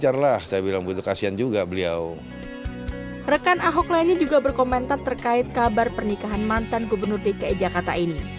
rekan ahok lainnya juga berkomentar terkait kabar pernikahan mantan gubernur dki jakarta ini